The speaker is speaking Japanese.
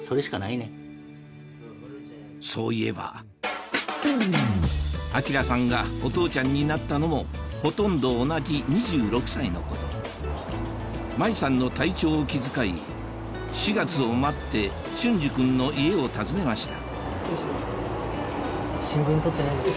そういえば晃さんがお父ちゃんになったのもほとんど同じ２６歳の頃麻衣さんの体調を気遣い４月を待って隼司君の家を訪ねました